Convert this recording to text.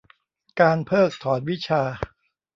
การเพิกถอนวิชา